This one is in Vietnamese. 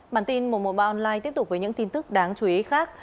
bản tin một trăm một mươi ba online tiếp tục với những tin tức đáng chú ý khác